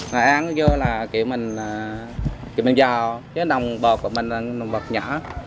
nói ăn vô là kiểu mình dò chứ đồng bọc của mình là đồng bọc nhỏ